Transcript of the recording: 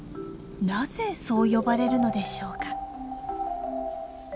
なぜそう呼ばれるのでしょうか。